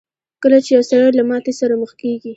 کله چې يو سړی له ماتې سره مخ کېږي.